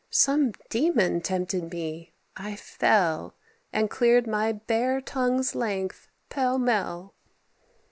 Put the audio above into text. Some demon tempted me: I fell, And cleared my bare tongue's length, pell mell."